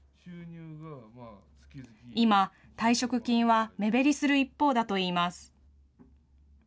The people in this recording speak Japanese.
今、退職金は目減りする一方だといいます。